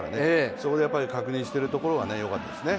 そこで確認しているところがよかったですね。